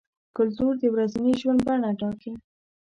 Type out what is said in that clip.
کلتور د ورځني ژوند بڼه ټاکي.